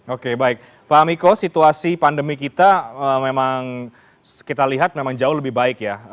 oke baik pak amiko situasi pandemi kita memang kita lihat memang jauh lebih baik ya